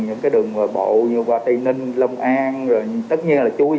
những cái đường bộ như qua tây ninh lông an rồi tất nhiên là chui